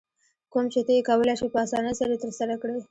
کوم چې ته یې کولای شې په اسانۍ سره یې ترسره کړې.